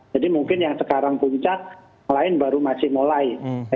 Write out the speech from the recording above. jadi mungkin yang sekarang puncak lain baru masih mulai